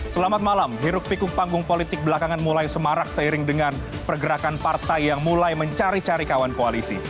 selamat malam hiruk pikuk panggung politik belakangan mulai semarak seiring dengan pergerakan partai yang mulai mencari cari kawan koalisi